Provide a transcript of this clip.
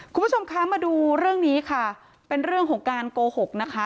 คุณผู้ชมคะมาดูเรื่องนี้ค่ะเป็นเรื่องของการโกหกนะคะ